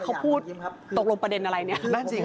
เขาพูดตกลงประเด็นอะไรเนี่ย